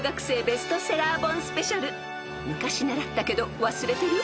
［昔習ったけど忘れてる？］